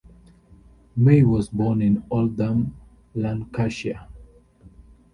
May was born in Oldham, Lancashire.